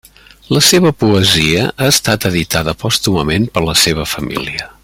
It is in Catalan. La seva poesia ha estat editada pòstumament per la seva família.